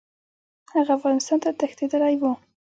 هغه افغانستان ته تښتېدلی وو.